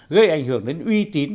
gây ảnh hưởng đến uy tín